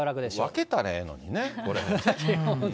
分けたらええのにね、これをね。